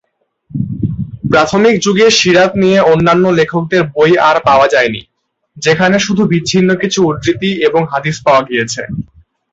প্রাথমিক যুগের সীরাত নিয়ে অন্যান্য লেখকদের বই আর পাওয়া যায়নি, যেখানে শুধু বিচ্ছিন্ন কিছু উদ্ধৃতি এবং হাদিস পাওয়া গিয়েছে।